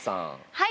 はい！